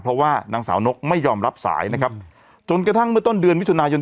เพราะว่านางสาวนกไม่ยอมรับสายนะครับจนกระทั่งเมื่อต้นเดือนมิถุนายน